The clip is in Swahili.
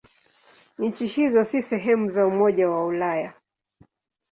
Nchi hizo si sehemu za Umoja wa Ulaya.